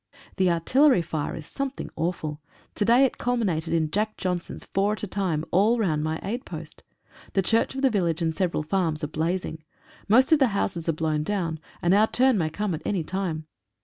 The artillery fire is something awful. To day it culminated in "Jack Johnsons," four at a time, all round my aid post. The church of the village and several farms are blazing. Most of the houses are blown down, and our turn may come at any time.